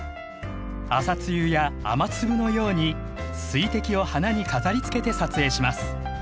朝露や雨粒のように水滴を花に飾りつけて撮影します。